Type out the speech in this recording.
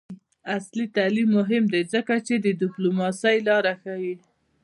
عصري تعلیم مهم دی ځکه چې د ډیپلوماسۍ لارې ښيي.